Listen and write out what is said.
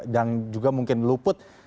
dan juga mungkin luput